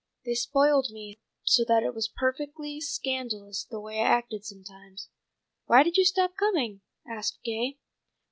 They spoiled me so that it was perfectly scandalous the way I acted sometimes." "Why did you stop coming?" asked Gay.